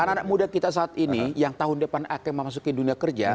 anak anak muda kita saat ini yang tahun depan akan memasuki dunia kerja